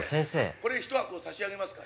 これ１箱差し上げますから。